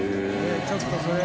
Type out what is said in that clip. ちょっとそれ。